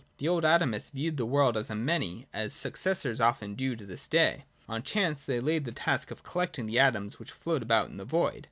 The old Atomists viewed the world as a many, as their successors often do to this day. On chance they laid the task of collecting the atoms which float about in the void.